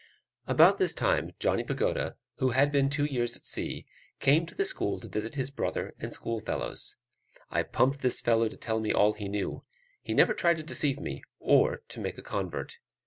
About this time Johnny Pagoda, who had been two years at sea, came to the school to visit his brother and schoolfellows. I pumped this fellow to tell me all he knew: he never tried to deceive me, or to make a convert.